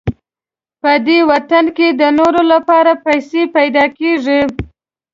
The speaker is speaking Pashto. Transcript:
په دې وطن کې د نورو لپاره پیسې پیدا کېږي.